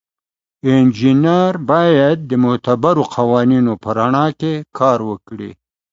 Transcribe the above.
انجینر باید د معتبرو قوانینو په رڼا کې کار وکړي.